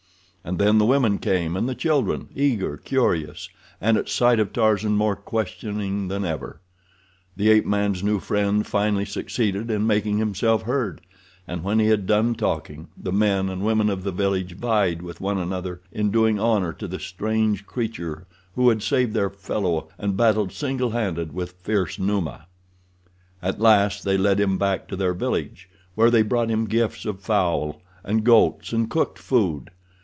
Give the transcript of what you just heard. And then the women came, and the children—eager, curious, and, at sight of Tarzan, more questioning than ever. The ape man's new friend finally succeeded in making himself heard, and when he had done talking the men and women of the village vied with one another in doing honor to the strange creature who had saved their fellow and battled single handed with fierce Numa. At last they led him back to their village, where they brought him gifts of fowl, and goats, and cooked food.